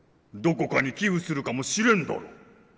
どこかに寄付するかもしれんだろ。